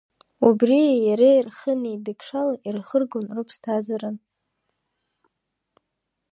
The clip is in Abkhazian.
Убрии иареи рхы неидыкшало ирхыргон рыԥсҭазаара.